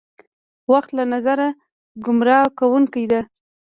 وخت له نظره ګمراه کوونکې ده.